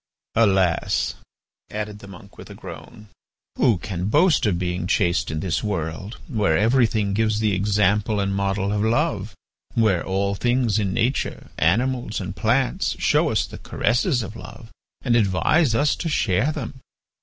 "Alas!" added the monk, with a groan, "who can boast of being chaste in this world, where everything gives the example and model of love, where all things in nature, animals, and plants, show us the caresses of love and advise us to share them?